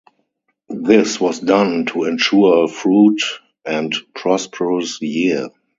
This was done to ensure a fruit and prosperous year.